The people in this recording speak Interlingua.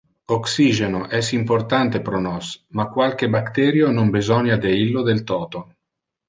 Oxygeno es importante pro nos, ma qualque bacterio non besonia de illo del toto.